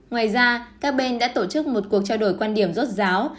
ngoài ra các bên đã tổ chức một cuộc trao đổi quan điểm rốt ráo